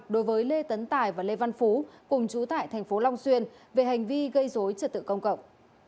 đối với lê tấn tài và lê văn phú cùng chú tại thành phố long xuyên về hành vi gây dối trật tự công cộng